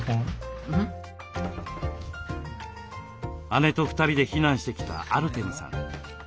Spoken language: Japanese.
姉と２人で避難してきたアルテムさん。